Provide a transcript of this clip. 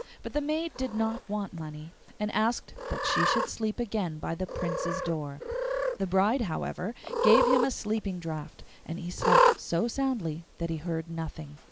But the maid did not want money, and asked that she should sleep again by the Prince's door. The bride, however, gave him a sleeping draught, and he slept so soundly that he heard nothing.